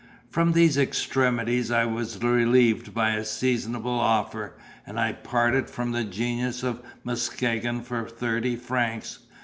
From these extremities I was relieved by a seasonable offer, and I parted from the Genius of Muskegon for thirty francs.